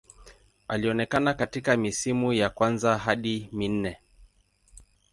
Alionekana katika misimu ya kwanza hadi minne.